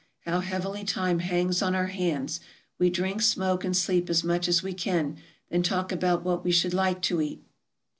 How heavily time hangs on our hands ! We drink, smoke, and sleep as much as we can, then talk about what we should like to eat.